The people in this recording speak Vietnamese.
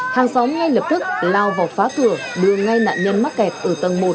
hàng xóm ngay lập tức lao vào phá cửa đưa ngay nạn nhân mắc kẹt ở tầng một